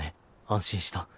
安心した。